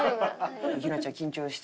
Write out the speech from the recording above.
陽菜ちゃん緊張して。